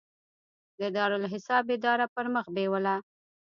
د دارالاحساب اداره پرمخ بیوله.